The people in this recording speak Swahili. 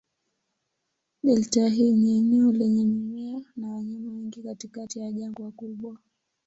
Delta hii ni eneo lenye mimea na wanyama wengi katikati ya jangwa kubwa.